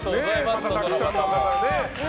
たくさんの方ね。